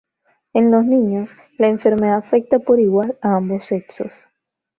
En los niños, la enfermedad afecta por igual a ambos sexos.